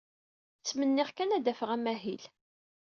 Ttmenniɣ kan ad d-afeɣ amahil.